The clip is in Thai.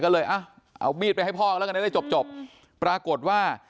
ก็เลยเอามีดไปให้พ่อแล้วก็เลยจบปรากฏว่า